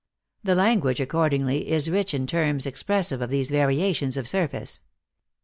The language, accordingly, is rich in terms expressive of these variations of sur face.